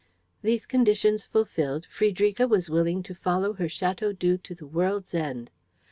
These conditions fulfilled, Friederika was willing to follow her Chateaudoux to the world's end.